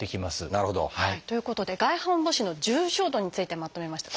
なるほど。ということで外反母趾の重症度についてまとめました。